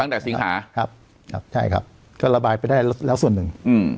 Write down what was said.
สิงหาครับครับใช่ครับก็ระบายไปได้แล้วส่วนหนึ่งอืม